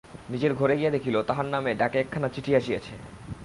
নিজের ঘরে গিয়া দেখিল তাহার নামে ডাকে একখানা চিঠি আসিয়াছে।